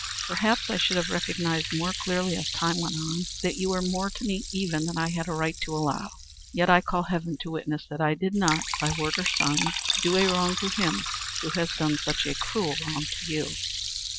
Perhaps I should have recognized more clearly as time went on that you were more to me even then than I had a right to allow; yet I call heaven to witness that I did not, by word or sign, do a wrong to him who has done such a cruel wrong to you."